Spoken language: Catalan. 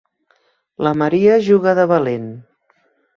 La Maria juga de valent.